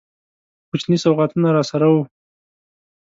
کوچني سوغاتونه راسره وه.